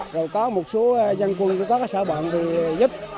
rồi có một số dân quân cũng có các xã bọn thì giúp